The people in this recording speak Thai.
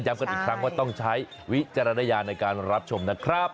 กันอีกครั้งว่าต้องใช้วิจารณญาณในการรับชมนะครับ